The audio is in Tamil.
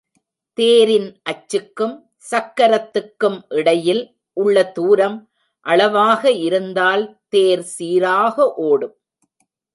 தேரின் அச்சுக்கும் சக்கரத்துக்கும் இடையில் உள்ள தூரம் அளவாக இருந்தால் தேர் சீராக ஒடும்.